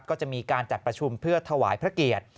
ก็จะมีการจัดประชุมเพื่อถวายพระเกียรติ